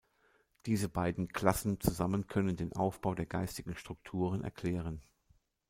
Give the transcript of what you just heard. Diese beiden Klassen zusammen können den Aufbau der geistigen Strukturen erklären.